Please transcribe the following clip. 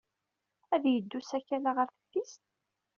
Ad yeddu usakal-a ɣer teftist?